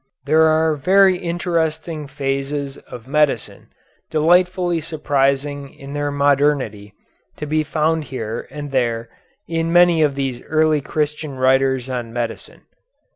There are very interesting phases of medicine delightfully surprising in their modernity to be found here and there in many of these early Christian writers on medicine.